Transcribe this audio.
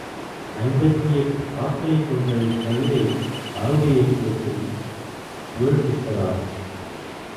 ஐம்பத்தியெட்டுப் பாக்களைக் கொண்ட இக்கவிதை அரபு இலக்கியத்தில் புகழ் மிக்கதாகும்.